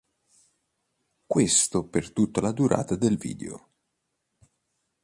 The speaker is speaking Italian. Questo per tutta la durata del video.